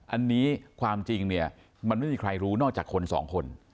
อันนี้ความจริงเนี่ยมันไม่มีใครรู้นอกจากคนสองคน